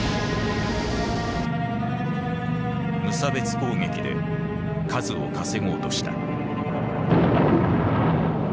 無差別攻撃で数を稼ごうとした。